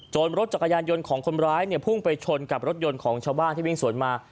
รถจักรยานยนต์ของคนร้ายเนี่ยพุ่งไปชนกับรถยนต์ของชาวบ้านที่วิ่งสวนมา